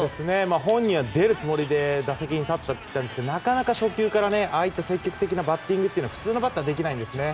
本人は出るつもりで打席に立ったんですけどなかなか初球から積極的なバッティングは普通のバッターはできませんね。